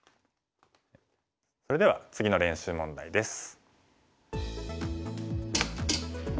それでは次の練習問題です。